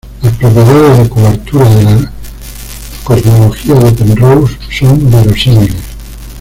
Las propiedades de curvatura de la cosmología de Penrose son verosímiles.